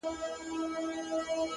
د تورو شپو سپين څراغونه مړه ســول ـ